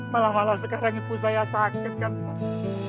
malah malah sekarang ibu saya sakit kan mas